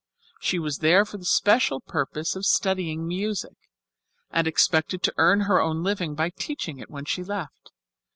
She was there for the special purpose of studying music, and expected to earn her own living by teaching it when she left.